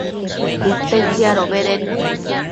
cute tsiadobeded